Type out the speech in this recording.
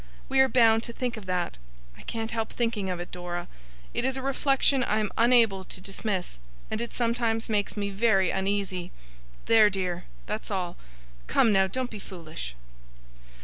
We are bound to think of that. I can't help thinking of it, Dora. It is a reflection I am unable to dismiss, and it sometimes makes me very uneasy. There, dear, that's all. Come now. Don't be foolish!